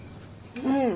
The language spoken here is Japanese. うん。